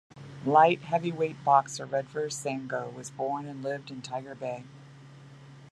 Light heavyweight boxer Redvers Sangoe was born and lived in Tiger Bay.